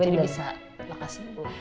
jadi bisa lakasin bu